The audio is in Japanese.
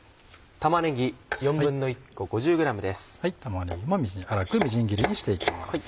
玉ねぎも粗くみじん切りにして行きます。